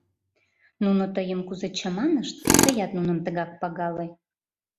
Нуно тыйым кузе чаманышт, тыят нуным тыгак пагале.